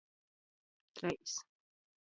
Treis.